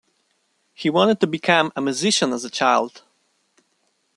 He wanted to become a musician as a child.